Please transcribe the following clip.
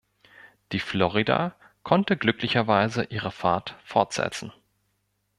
Die "Florida" konnte glücklicherweise ihre Fahrt fortsetzen.